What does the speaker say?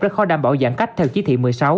rất khó đảm bảo giãn cách theo chí thị một mươi sáu